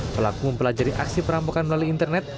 pelaku mempelajari aksi perampokan melalui internet